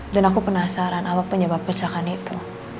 dan aku penasaran apa penyebab pecahkan itu